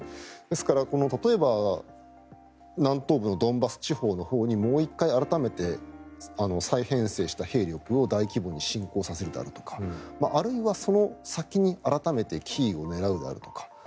ですから、例えば南東部のドンバス地方のほうにもう１回、改めて再編成した兵力を大規模に侵攻させるであるとかあるいは、その先に改めてキーウを狙うであるとか。